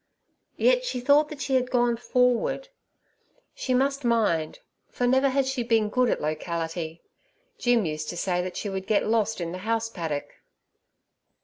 Yet she thought that she had gone forward; she must mind, for never had she been good at locality. Jim used to say that she would get lost in the house paddock.